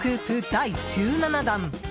第１７弾！